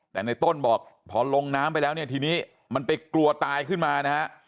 แต่ในต้นบอกพอลงน้ำไปแล้วเนี่ยทีนี้มันไปกลัวตายขึ้นมานะฮะ